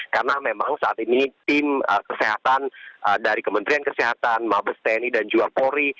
karena memang saat ini tim kesehatan dari kementerian kesehatan mabesteni dan juwapori